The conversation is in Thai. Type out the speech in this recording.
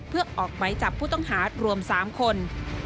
เพื่อออกไหมจับผู้ต้องหารวม๓คน